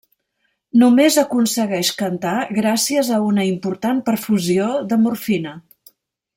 Només aconsegueix cantar gràcies a una important perfusió de morfina.